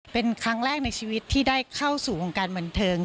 เป็นครั้งแรกในชีวิตที่ได้เข้าสู่วงการบันเทิง